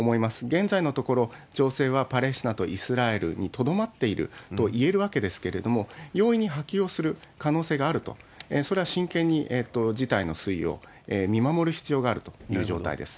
現在のところ、情勢はパレスチナとイスラエルにとどまっているといえるわけですけれども、容易に波及をする可能性があると、それは真剣に事態の推移を見守る必要があるという状態です。